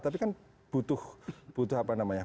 tapi kan butuh apa namanya